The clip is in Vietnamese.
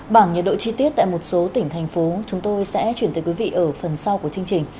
bảng nhiệt độ chi tiết tại một số tỉnh thành phố chúng tôi sẽ chuyển tới quý vị ở phần sau của chương trình